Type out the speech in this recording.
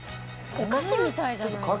「お菓子みたいじゃないですか」